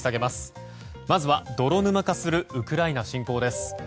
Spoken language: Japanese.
まずは泥沼化するウクライナ侵攻です。